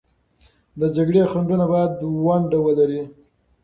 د جګړې خنډونه باید ونډه ولري.